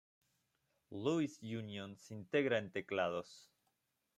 Louis Union, se integra en teclados.